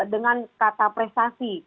dengan kata prestasi